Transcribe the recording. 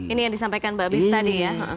ini yang disampaikan mbak bif tadi ya